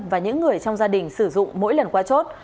và những người trong gia đình sử dụng mỗi lần qua chốt